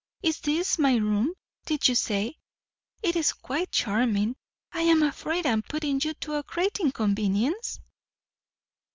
Is this my room, did you say? It is quite charming. I am afraid I am putting you to great inconvenience?"